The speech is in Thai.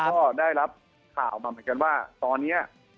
ก็ได้รับข่าวมาเหมือนกันว่าตอนนี้